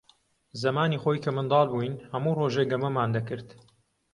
زەمانی خۆی کە منداڵ بووین، هەموو ڕۆژێ گەمەمان دەکرد.